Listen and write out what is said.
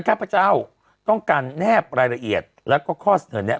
ข้าพเจ้าต้องการแนบรายละเอียดแล้วก็ข้อเสนอนี้